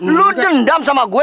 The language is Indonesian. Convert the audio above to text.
lu dendam sama gue